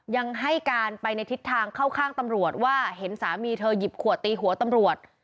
ยังให้การไปในทิศทางเข้าข้างตำรวจว่าเห็นสามีเธอหยิบขวดตีหัวตำรวจ